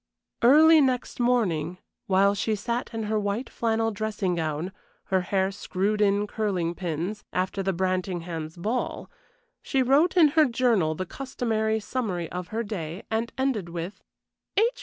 Early next morning, while she sat in her white flannel dressing gown, her hair screwed in curling pins, after the Brantinghams' ball, she wrote in her journal the customary summary of her day, and ended with: "H.